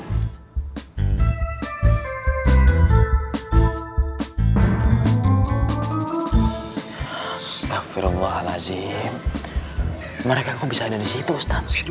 astagfirullahaladzim mereka bisa ada di situ